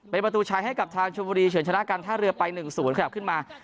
เป็นประตูชัยให้กับทางชมบุรีเฉินชนะการท่าเรือไป๑๐ขยับขึ้นมา